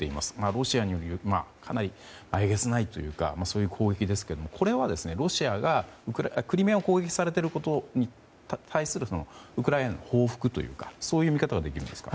ロシアによるえげつない攻撃ですがこれはロシアがクリミアを攻撃されていることに対するウクライナの報復というかそういう見方ができるんですか？